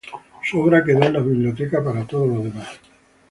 Su obra quedó en las bibliotecas para todos los demás.